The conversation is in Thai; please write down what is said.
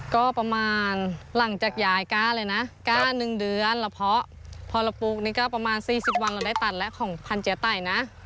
ก็ประมาณหลังจากยายกล้าเลยนะกล้า๑เดือนแล้วเพราะพอเราปลูกนี่ก็ประมาณ๔๐วันเราได้ตัดแล้วของพันเจ๊ไต่นะ